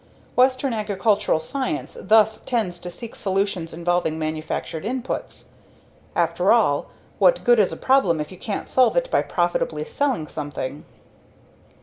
Western agricultural science thus tends to seek solutions involving manufactured inputs. After all, what good is a problem if you can't solve it by profitably selling something.